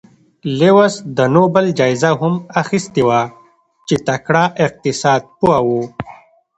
لیوس د نوبل جایزه هم اخیستې وه چې تکړه اقتصاد پوه و.